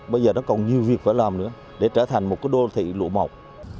bây giờ nó còn nhiều việc phải làm nữa để trở thành một đô thị lụa mộc